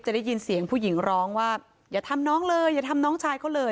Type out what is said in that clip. ได้ยินเสียงผู้หญิงร้องว่าอย่าทำน้องเลยอย่าทำน้องชายเขาเลย